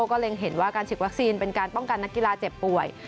ก็เล็งเห็นว่าการฉีดวัคซีนเป็นการป้องกันนักกีฬาเจ็บป่วย